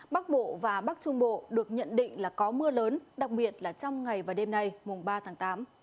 bắc bộ và bắc trung bộ được nhận định là có mưa lớn đặc biệt là trong ngày và đêm nay mùng ba tháng tám